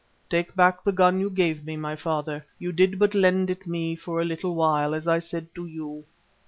Take back the gun you gave me, my father. You did but lend it me for a little while, as I said to you.